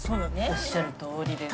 おっしゃるとおりです。